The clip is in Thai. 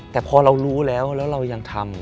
แต่พอเรารู้แล้วแล้วเรายังทำ